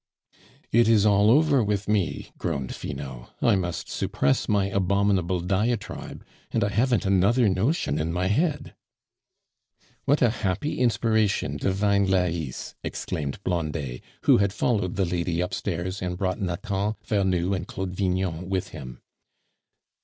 "It is all over with me!" groaned Finot; "I must suppress my abominable diatribe, and I haven't another notion in my head." "What a happy inspiration, divine Lais!" exclaimed Blondet, who had followed the lady upstairs and brought Nathan, Vernou and Claude Vignon with him.